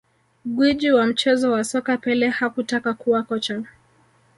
Gwiji wa mchezo wa soka Pele hakutaka kuwa kocha